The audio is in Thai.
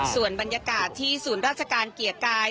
ส่วนบรรยากาศที่ศูนย์ราชการเกียรติกาย